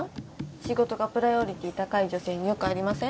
仕事がプライオリティ高い女性によくありません？